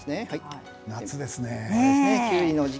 夏ですね。